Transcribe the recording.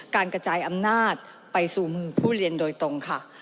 การกระจายอำนาจไปสู่มือผู้เรียนโดยตรงค่ะ